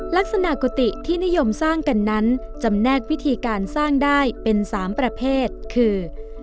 กุฏิที่นิยมสร้างกันนั้นจำแนกวิธีการสร้างได้เป็น๓ประเภทคือ